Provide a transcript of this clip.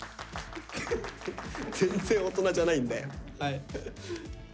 全然大人じゃないんだよ。